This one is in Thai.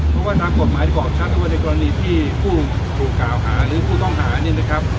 เพราะตามกฎหมายก็ออกเพียงว่าในกรณีที่ผู้ภูเขาหาหรือผู้ต้องหา